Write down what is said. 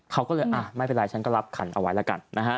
เขาก็เลยไม่เป็นไรฉันก็รับขันเอาไว้แล้วกันนะฮะ